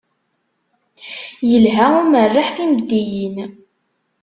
Ilha umerreḥ timeddiyin.